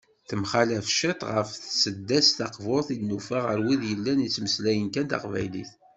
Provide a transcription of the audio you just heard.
Temxalaf ciṭ ɣef tseddast taqburt i d-nufa ɣer wid yellan ttmeslayen kan taqbaylit.